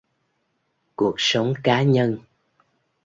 Cuộc sống cá nhân